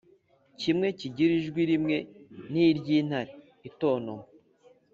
kimwe kigira ijwi rimwe niryintare itonama